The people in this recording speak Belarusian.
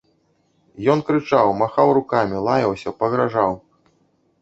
Ён крычаў, махаў рукамі, лаяўся, пагражаў.